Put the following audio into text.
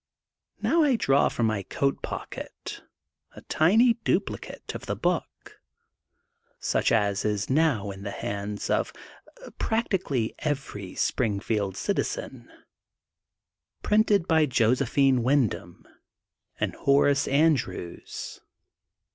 Now I draw from my coat pocket a tiny duplicate of the book, such as is now in the hands of practically every Springfield citi zen, printed by Josephine Windom and Hor THfi GOLDEN BQOK OF SPRINGFIELD 807 ace Andrews.